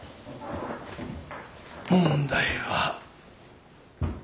問題は。